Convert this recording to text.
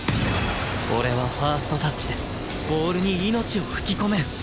俺はファーストタッチでボールに命を吹き込める！